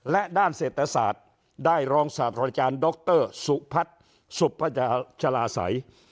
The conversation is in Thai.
และด้านเศรษฐศาสตร์ได้รองศาสตราจารย์ดรสุพัฒน์สุพัชลาศัย